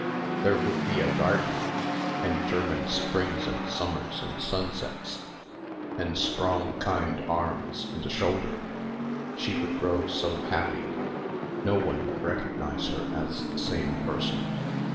There would be a garden and German springs and summers and sunsets and strong kind arms and a shoulder. She would grow so happy. No one would recognise her as the same person.